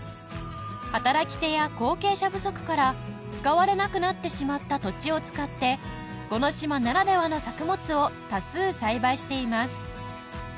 働き手や後継者不足から使われなくなってしまった土地を使ってこの島ならではの作物を多数栽培しています